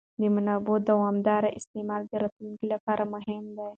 د منابعو دوامداره استعمال د راتلونکي لپاره مهم دی.